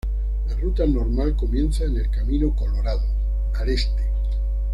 La ruta normal comienza en el Camino Colorado, al este.